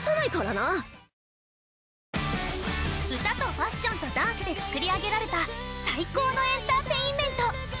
歌とファッションとダンスで作り上げられた最高のエンターテインメント！